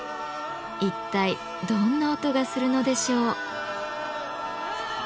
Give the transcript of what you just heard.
一体どんな音がするのでしょう？